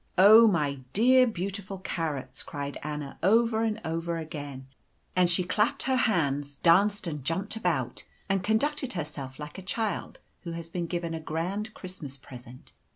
"Oh, my dear, beautiful carrots!" cried Anna over and over again, and she clapped her hands, danced, and jumped about, and conducted herself like a child who has been given a grand Christmas present.